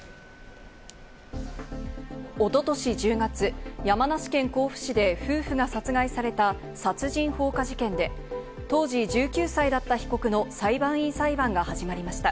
おととし１０月、山梨県甲府市で夫婦が殺害された殺人放火事件で、当時１９歳だった被告の裁判員裁判が始まりました。